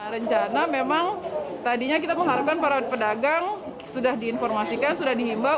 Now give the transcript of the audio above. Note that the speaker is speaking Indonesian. rencana memang tadinya kita mengharapkan para pedagang sudah diinformasikan sudah dihimbau